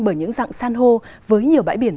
bởi những dặng san hô với nhiều bãi biển